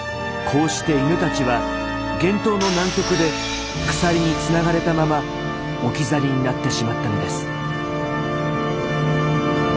こうして犬たちは厳冬の南極で鎖につながれたまま置き去りになってしまったのです。